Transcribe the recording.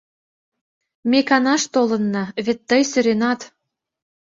Ме канаш толынна, вет тый сӧренат...